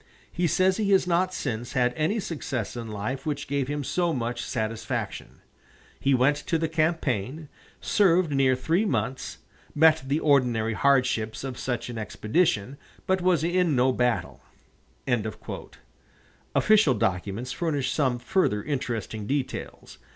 He says he has not since had any success in life which gave him so much satisfaction. He went to the campaign, served near three months, met the ordinary hardships of such an expedition, but was in no battle." Official documents furnish some further interesting details.